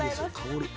香り。